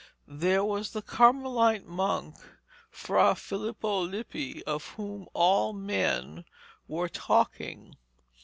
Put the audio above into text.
There was the Carmelite monk Fra Filippo Lippi, of whom all, men were talking.